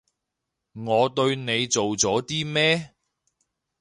我對你做咗啲咩？